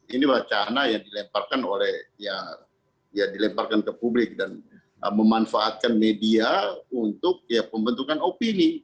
ini wacana yang dilemparkan ke publik dan memanfaatkan media untuk pembentukan opini